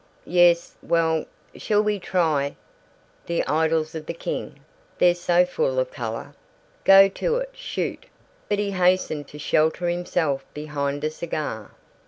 "Yes. Well Shall we try 'The Idylls of the King?' They're so full of color." "Go to it. Shoot." But he hastened to shelter himself behind a cigar.